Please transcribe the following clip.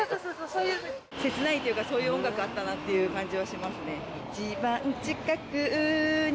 そういうというかそういう音楽あったなっていう感じはしますね